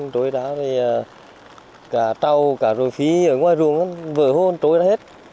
trôi đá cả trâu cả ruộng phí ở ngoài ruộng vừa hôn trôi đá hết